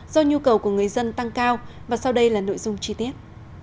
do nhu cầu của người dân tăng cao và sau đây là nội dung chi tiết